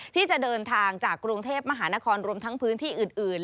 ที่จะเดินทางจากกรุงเทพมหานครรวมทั้งพื้นที่อื่น